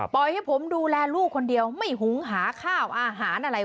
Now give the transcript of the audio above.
ให้ผมดูแลลูกคนเดียวไม่หุงหาข้าวอาหารอะไร